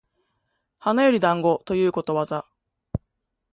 花より団子ということわざ